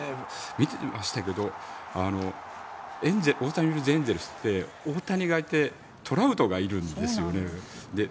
見てましたけど大谷のいるエンゼルスって大谷がいてトラウトがいるんですよね。